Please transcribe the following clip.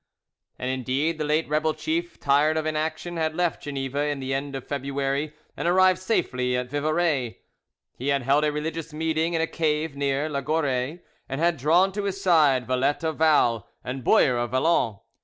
And indeed the late rebel chief, tired of inaction, had left Geneva in the end of February, and arrived safely at Vivarais. He had held a religious meeting in a cave near La Goree, and had drawn to his side Valette of Vals and Boyer of Valon.